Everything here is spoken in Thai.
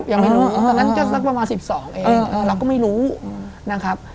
ยังไม่รู้ตอนนั้นก็สักประมาณ๑๒เองเราก็ไม่รู้นะครับ